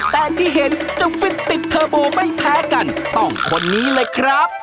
แต่ที่เห็นจะฟิตติดเทอร์โบไม่แพ้กันต้องคนนี้เลยครับ